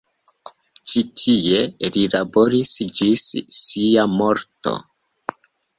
Ĉi tie li laboris ĝis sia morto.